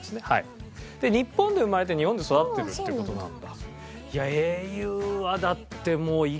日本で生まれて日本で育ってるっていう事なんだ。